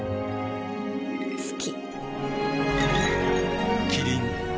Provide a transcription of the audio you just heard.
好き。